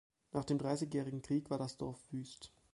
Nach dem Dreißigjährigen Krieg war das Dorf wüst.